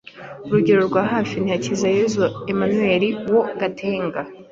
Urugero rwa hafi ni Hakizayezu Emmanuel wo Gatenga